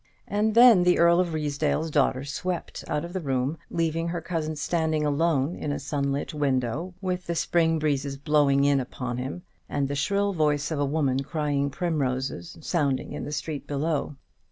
And then the Earl of Ruysdale's daughter swept out of the room, leaving her cousin standing alone in a sunlit window, with the spring breezes blowing in upon him, and the shrill voice of a woman crying primroses sounding in the street below.